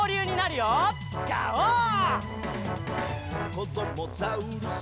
「こどもザウルス